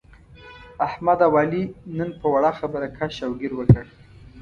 احمد او علي نن په وړه خبره کش او ګیر وکړ.